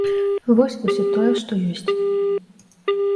Вось усё тое, што ёсць.